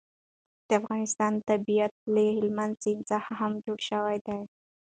د افغانستان طبیعت له هلمند سیند څخه هم جوړ شوی دی.